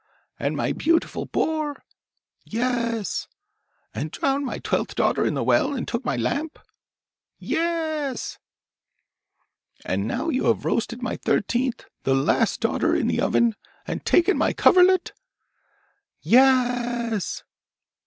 'And my beautiful boar?' 'Ye e s!' 'And drowned my twelfth daughter in the well, and took my lamp?' 'Ye e s!' 'And now you have roasted my thirteenth and last daughter in the oven, and taken my coverlet?' 'YeÄeÄs!